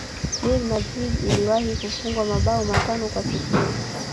Real Madrid iliwahi kufungwa mabao matano kwa sifuri